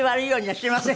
すみません。